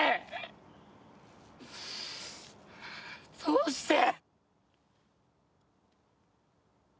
どうして。